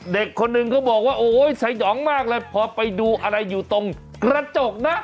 เด็กคนหนึ่งก็บอกว่าโอ้ยสยองมากเลยพอไปดูอะไรอยู่ตรงกระจกนะ